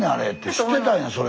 知ってたんやそれ。